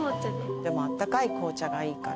でもあったかい紅茶がいいから。